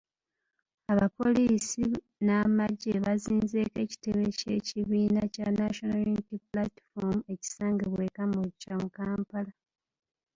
Abapoliisi n'amagye bazinzeeko ekitebe ky'ekibiina kya National Unity Platform ekisangibwa e Kamwokya mu Kampala.